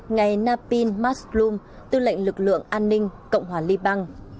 ngài napin masloum tư lệnh lực lượng an ninh cộng hòa liên bang